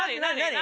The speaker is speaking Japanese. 何？